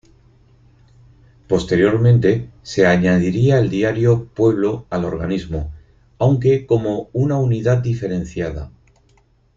Posteriormente se añadiría el diario "Pueblo" al organismo, aunque como una unidad diferenciada.